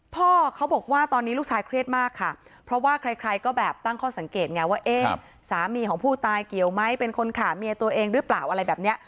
พ่อเขาบอกว่าตอนนี้ลูกชายเครียดมากค่ะเพราะว่าใครก็แบบตั้งข้อสังเกตไงว่าเอ๊ะสามีของผู้ตายเกี่ยวไหมเป็นคนขาเมียตัวเองหรือเปล่าอะไรแบบนี้